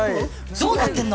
どうなってるの。